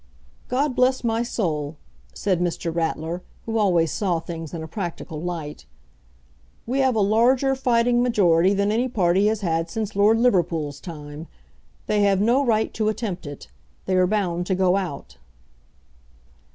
"God bless my soul," said Mr. Ratler, who always saw things in a practical light, "we have a larger fighting majority than any party has had since Lord Liverpool's time. They have no right to attempt it. They are bound to go out."